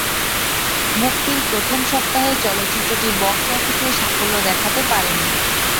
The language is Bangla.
মুক্তির প্রথম সপ্তাহে চলচ্চিত্রটি বক্স অফিসে সাফল্য দেখাতে পারেনি।